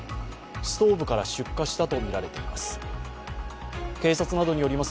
ストーブから出火したとみられています。